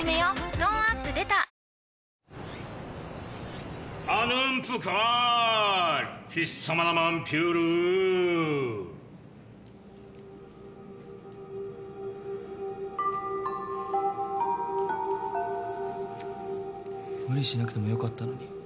トーンアップ出た無理しなくてもよかったのに。